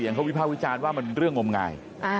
เขาวิภาควิจารณ์ว่ามันเรื่องงมงาย